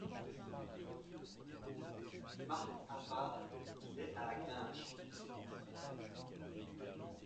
Marthe à part. — Il est à la grinche.